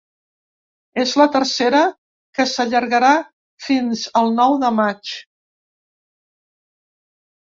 És la tercera, que s’allargarà fins el nou de maig.